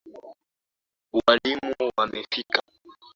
Walimu wamefika.